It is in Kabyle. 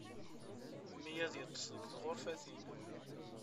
Mmi ad yeṭṭes deg tɣurfatin.